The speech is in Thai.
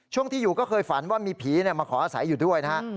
ช่วงที่อยู่ก็เคยฝันว่ามีผีมาขออาศัยอยู่ด้วยนะฮะ